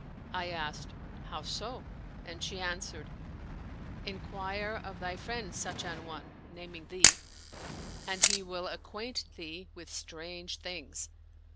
I asked, " How so? " and she answered, " Inquire of thy friend Sudh an one " (naming thee), and he will acquaint thee with strange things."